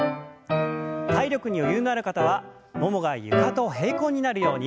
体力に余裕のある方はももが床と平行になるように。